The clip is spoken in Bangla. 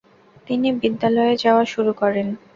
তিনি বিদ্যালয়ে যাওয়া শুরু করেন।